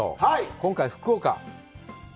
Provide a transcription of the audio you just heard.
今回、福岡。